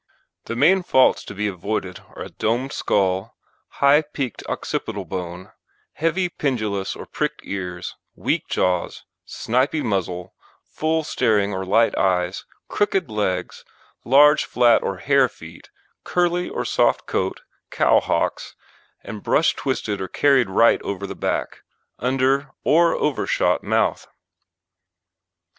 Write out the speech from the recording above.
THE MAIN FAULTS to be avoided are a domed skull, high peaked occipital bone, heavy, pendulous or pricked ears, weak jaws, snipy muzzle, full staring or light eyes, crooked legs, large, flat or hare feet, curly or soft coat, cow hocks, and brush twisted or carried right over the back, under or overshot mouth.